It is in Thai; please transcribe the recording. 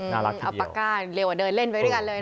กำลังเอาปากก้าเร็วกว่าเดินเล่นไปด้วยกันเลย